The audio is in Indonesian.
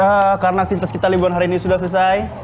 ya karena aktivitas kita liburan hari ini sudah selesai